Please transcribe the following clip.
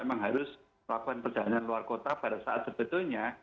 memang harus melakukan perjalanan luar kota pada saat sebetulnya